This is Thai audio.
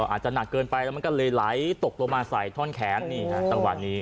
อาจจะหนักเกินไปแล้วมันก็ละลายแล้วตกลงมาใส่ทอนแขนนี่ครับ